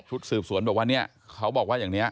ชุดสืบสวนแบบวันนี้เขาบอกว่าอย่างนี้